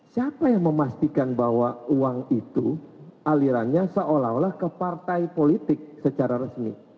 siapa yang memastikan bahwa uang itu alirannya seolah olah ke partai politik secara resmi